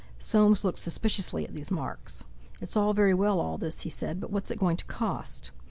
Soames looked suspiciously at these marks. "It's all very well, all this," he said, "but what's it going to cost?"